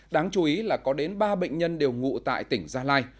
đáng chú ý là có đến ba bệnh nhân đều ngụ tại tỉnh gia lai